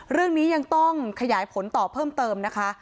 เรื่องนี้ยังต้องขยายผลต่อเพิ่มเติมนะคะ